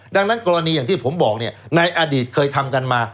ดังนั้นกรณีอย่างที่ผมบอกเนี่ยในอดีตเคยทำกันมา